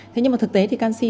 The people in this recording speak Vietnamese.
thế nhưng mà thực tế thì canxi